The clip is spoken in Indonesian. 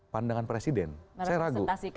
pandangan presiden saya ragu